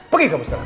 pergi kamu sekarang